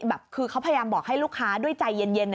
แบบคือเขาพยายามบอกให้ลูกค้าด้วยใจเย็น